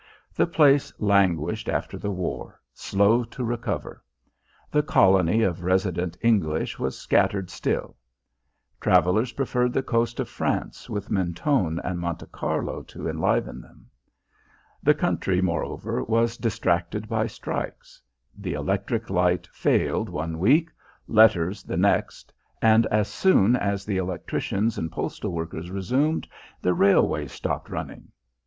The place languished after the war, slow to recover; the colony of resident English was scattered still; travellers preferred the coast of France with Mentone and Monte Carlo to enliven them. The country, moreover, was distracted by strikes. The electric light failed one week, letters the next, and as soon as the electricians and postal workers resumed, the railways stopped running.